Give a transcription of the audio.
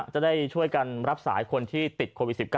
จะได้ช่วยกันรับสายคนที่ติดโควิด๑๙